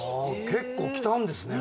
結構来たんですね